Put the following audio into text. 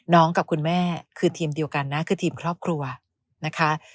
กับคุณแม่คือทีมเดียวกันนะคือทีมครอบครัวนะคะ